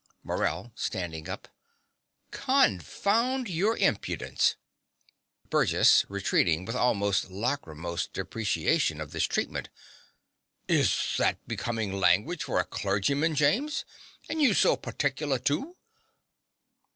MORELL (starting up). Confound your impudence! BURGESS (retreating, with almost lachrymose deprecation of this treatment). Is that becomin' language for a clergyman, James? and you so partic'lar, too?